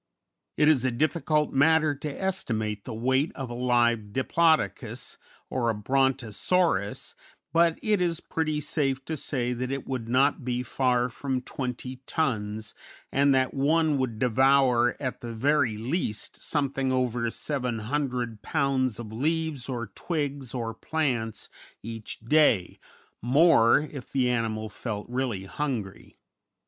It is a difficult matter to estimate the weight of a live Diplodocus or a Brontosaurus, but it is pretty safe to say that it would not be far from 20 tons, and that one would devour at the very least something over 700 pounds of leaves or twigs or plants each day more, if the animal felt really hungry.